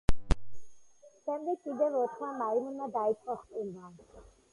შემდეგ, კიდევ ოთხმა მაიმუნმა დაიწყო ხტუნვა.